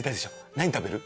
何食べる？